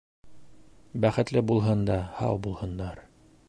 Бәхете булһын да һау булһындар.